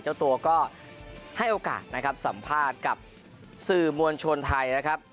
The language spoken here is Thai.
เจ้าตัวก็ให้โอกาสนะครับสัมภาษณ์กับสื่อมวลชนไทยนะครับ